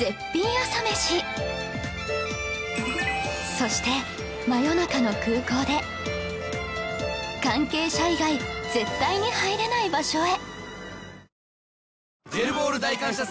そして真夜中の空港で関係者以外絶対に入れない場所へ